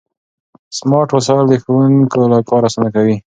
سمارټ وسایل د ښوونکو کار اسانه کوي.